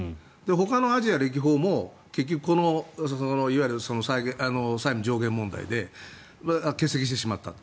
ほかのアジア歴訪も結局、債務上限問題で欠席してしまったと。